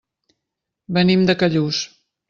Venim de Callús.